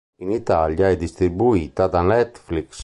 In Italia è distribuita da Netflix.